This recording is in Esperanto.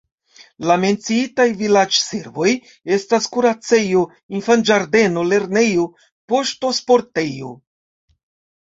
Ne menciitaj vilaĝservoj estas kuracejo, infanĝardeno, lernejo, poŝto, sportejo.